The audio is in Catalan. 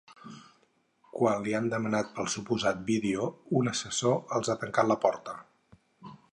Quan li han demanat pel suposat vídeo, un assessor els ha tancat la porta.